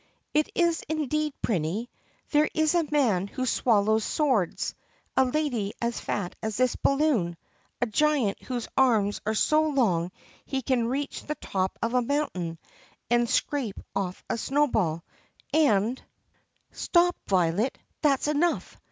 "It is indeed, Prinny. There is a man who swallows swords, a lady as fat as this balloon, a giant whose arms are so long he can reach the top of a mountain and scrape off a snowball, and —" THE PUSSYCAT PRINCESS 36 "Stop, Violet! That is enough.